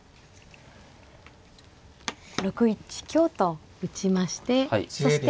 ６一香と打ちましてそして